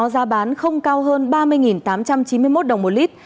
giá bán không cao hơn ba mươi tám trăm chín mươi một đồng một lít